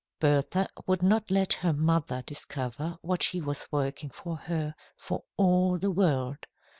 Bertha would not let her mother discover what she was working for her, for all the world.